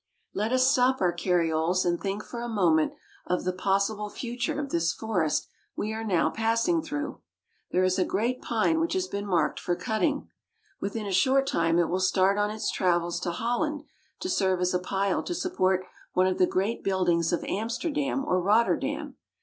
Let us stop our carrioles and think for a moment of the possible future of this forest we are now passing through. There is a great pine which has been marked for cutting ! Within a short time it will start on its travels to Holland to serve as a pile to support one of the great buildings of Amsterdam or Rotterdam.